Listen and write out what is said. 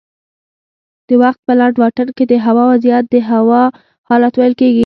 د وخت په لنډ واټن کې دهوا وضعیت ته د هوا حالت ویل کېږي